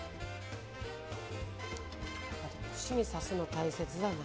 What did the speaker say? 串に刺すの大切だな。